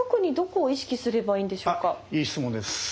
いい質問です。